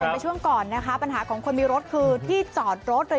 เป็นไปช่วงก่อนนะคะปัญหาของคนมีรถคือที่จอดรถเลย